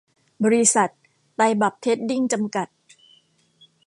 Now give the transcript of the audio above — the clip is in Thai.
บริษัท ไตรบรรพเทรดดิ้ง จำกัด